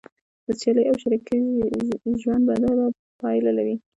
د سیالۍ او شریکۍ ژوند بده پایله لري.